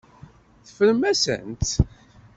Teffremt-asent-tt.